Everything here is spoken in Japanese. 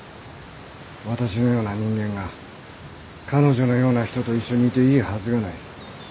私のような人間が彼女のような人と一緒にいていいはずがない。